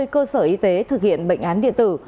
cơ sở y tế thực hiện bệnh án điện tử